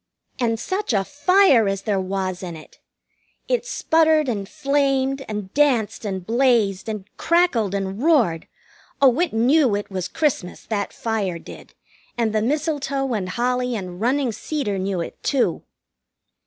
And such a fire as there was in it! It sputtered and flamed, and danced and blazed, and crackled and roared. Oh, it knew it was Christmas, that fire did, and the mistletoe and holly and running cedar knew it, too!